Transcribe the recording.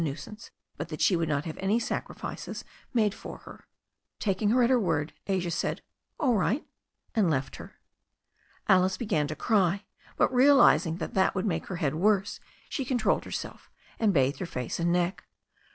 nuisance, but that she would not have any sacrifices made for her. Taking her at her word, Asia said "All right" and left her. Alice began to cry, but realizing that that would make her head worse, she controlled herself, and bathed her face and neck.